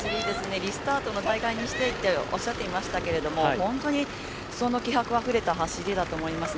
リスタートの大会にしたいとおっしゃっていましたけど本当に気迫あふれた走りだと思いましたね。